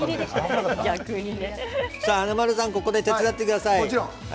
華丸さん手伝ってください。